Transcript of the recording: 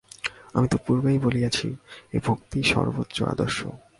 আমি তো পূর্বেই বলিয়াছি, এই ভক্তিই সর্বোচ্চ আদর্শ।